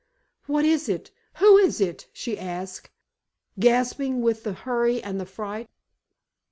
"What is it? who is it?" she asked, gasping with the hurry and the fright.